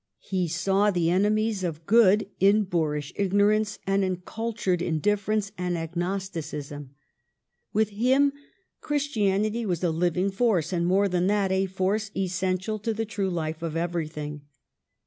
He saw the enemies of good in boorish ignorance and in cultured indiffer ence and agnosticism. With him Christianity was a living force, and more than that, a force essential to the true life of everything.